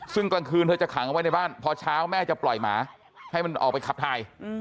ซึ่งกลางคืนเธอจะขังเอาไว้ในบ้านพอเช้าแม่จะปล่อยหมาให้มันออกไปขับถ่าย